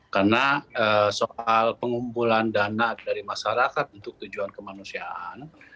karena soal pengumpulan dana dari masyarakat untuk tujuan kemanusiaan